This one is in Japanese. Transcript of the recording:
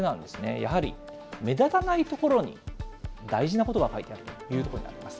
やはり目立たない所に大事なことが書いてあるというところにあります。